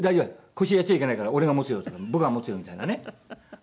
腰やっちゃいけないから俺が持つよ」とか「僕が持つよ」みたいなね。